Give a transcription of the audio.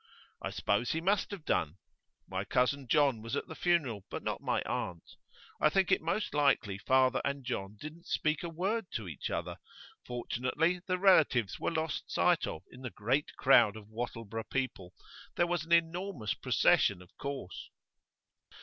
I suppose he must have done. My cousin John was at the funeral, but not my aunt. I think it most likely father and John didn't speak a word to each other. Fortunately the relatives were lost sight of in the great crowd of Wattleborough people; there was an enormous procession, of course.